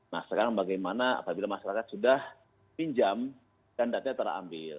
nah sekarang bagaimana apabila masyarakat sudah pinjam dan datanya terambil